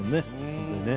本当にね。